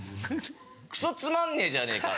クソつまんねぇじゃねぇか。